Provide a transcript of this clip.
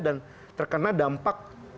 dan terkena dampak